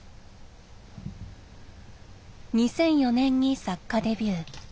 ２００４年に作家デビュー。